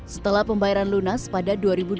setelah pembayaran lunas pada dua ribu dua puluh